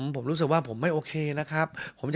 ผมรู้สึกว่าผมไม่โอเคนะครับ